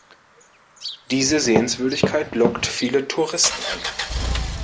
Diese Sehenswürdigkeit lockt viele Touristen an.